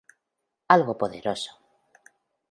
Algo poderoso.